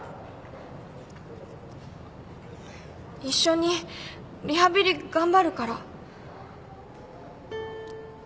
一緒にリハビリ頑張るから。